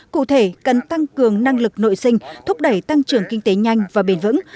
cụ thể cần tăng cường năng lực nội sinh thúc đẩy tăng trưởng kinh tế nhanh và bền vững